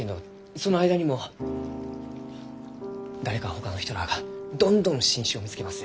その間にも誰かほかの人らあがどんどん新種を見つけます。